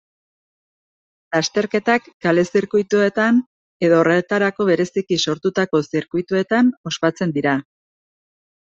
Lasterketak kale-zirkuituetan edo horretarako bereziki sortutako zirkuituetan ospatzen dira.